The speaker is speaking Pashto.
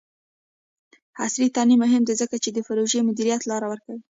عصري تعلیم مهم دی ځکه چې د پروژې مدیریت لارې ورکوي.